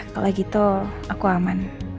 kalau gitu aku aman